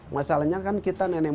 masalahnya kan kita nenek